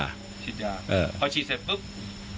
ฉีดยาพอฉีดเสร็จปุ๊บ